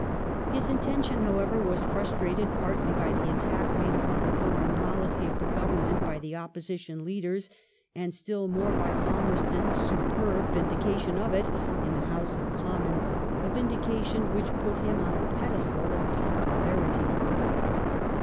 ^ His intention, however, was ft'ustrated partly by the attack made upon the foreign policy of the Government by the Opposition leaders, and still more by Palmerston's superb vindication of it in the House of Commons, a vindication which put him on a pedestal of popularity.